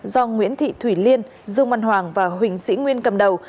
do nguyễn thị thủy liên dương văn hoàng và huỳnh sĩ nguyên cầm đầu